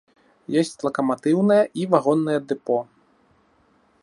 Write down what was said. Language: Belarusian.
Ёсць лакаматыўнае і вагоннае дэпо.